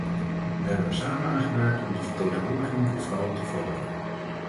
We hebben er samen aan gewerkt om de vertegenwoordiging door vrouwen te verhogen.